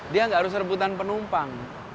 dia nggak harus rebutan penumpang